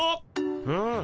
うん。